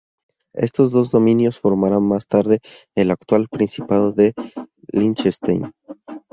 Estos dos dominios formarían más tarde el actual Principado de Liechtenstein.